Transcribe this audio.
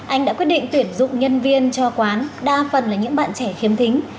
anh đã quyết định tuyển dụng nhân viên cho quán đa phần là những bạn trẻ khiếm thính